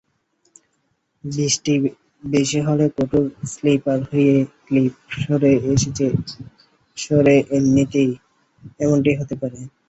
বৃষ্টি বেশি হলে কাঠের স্লিপার থেকে ক্লিপ সরে এমনটি হতে পারে।